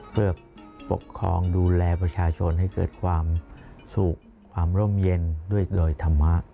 เพื่อปกครองดูแลประชาชนให้เกิดความสุขความร่มเย็นด้วยโดยธรรมะ